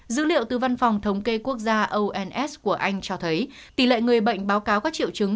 dữ liệu từ văn phòng thống kê quốc gia ons của anh cho thấy tỷ lệ người bệnh báo cáo các triệu chứng